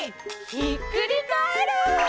ひっくりカエル！